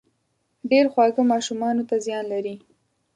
ډېر خواږه ماشومانو ته زيان لري